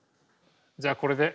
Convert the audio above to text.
じゃあこれで。